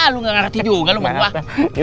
lu ga ngerti juga lu maaf